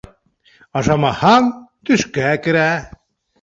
Ашамаһаң, төшкә керә.